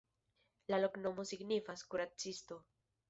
La loknomo signifas: "kuracisto".